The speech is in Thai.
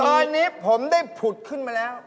ตอนนี้ผมได้ผุดขึ้นมาแล้ว